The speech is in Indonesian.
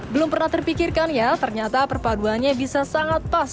belum pernah terpikirkan ya ternyata perpaduannya bisa sangat pas